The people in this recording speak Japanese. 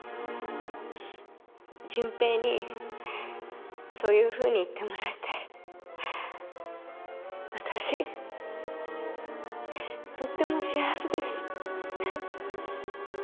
純平にそういうふうに言ってもらえて私とっても幸せです。